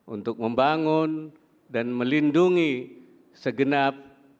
untuk membangun dan melindungi segenap